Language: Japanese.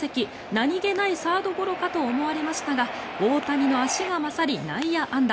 何げないサードゴロかと思われましたが大谷の足が勝り、内野安打。